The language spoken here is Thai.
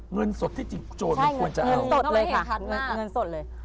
เงินสดที่จริงโจรควรจะเอามันเห็นคัดมากใช่เงินสดเลยค่ะเงินสดเลย